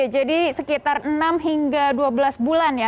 jadi sekitar enam hingga dua belas bulan ya